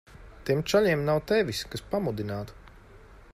Tiem čaļiem nav tevis, kas pamudinātu.